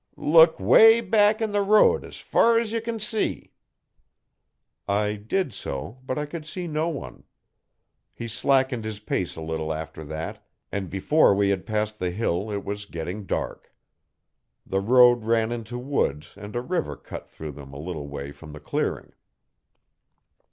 'Look 'way back in the road as fur as ye can see. I did so, but I could see no one. He slackened his pace a little after that and before we had passed the hill it was getting dark. The road ran into woods and a river cut through them a little way from the clearing.